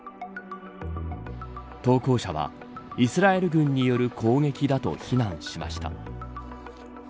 投稿者はイスラエル軍による攻撃だと非難しました。